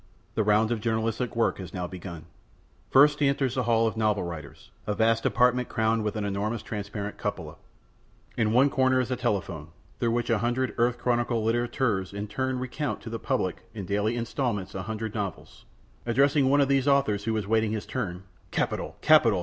The round of journalistic work was now begun. First he enters the hall of the novel writers, a vast apartment crowned with an enormous transparent cupola. In one corner is a telephone, through which a hundred Earth Chronicle litt├®rateurs in turn recount to the public in daily installments a hundred novels. Addressing one of these authors who was waiting his turn, "Capital! Capital!